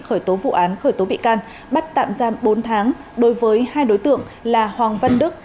khởi tố vụ án khởi tố bị can bắt tạm giam bốn tháng đối với hai đối tượng là hoàng văn đức